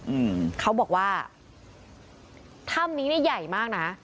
อืมเขาบอกว่าถ้ำนี้เนี่ยใหญ่มากน่ะ